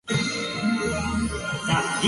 知らない人についていってはいけないよ